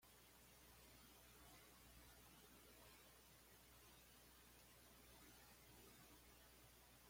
Los vecinos son unos miserables e inmorales y todas las familias son disfuncionales.